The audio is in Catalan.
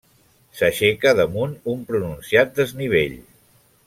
S'aixeca damunt un pronunciat desnivell.